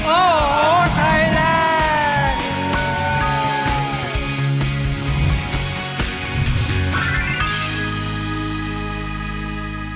โอ้โหไทยแลนด์